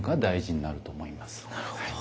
なるほど。